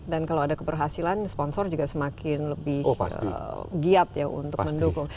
dan kalau ada keberhasilan sponsor juga semakin lebih giat ya untuk mendukung